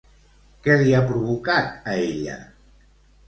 Què li ha provocat a ella?